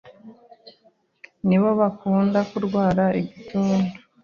ni bo bakunda kurwara igituntu